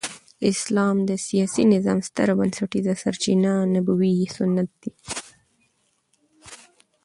د اسلام د سیاسي نظام ستره بنسټيزه سرچینه نبوي سنت دي.